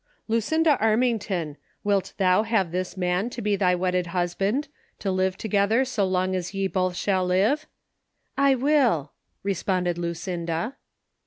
" Lucinda Armington, wilt thou have this man to be thy wedded husband, to live together so long as ye both shall live 't» "" I will," responded Lucinda.